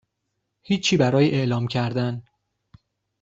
هیچی برای اعلام کردن